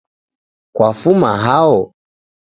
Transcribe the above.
Kwafuma hao?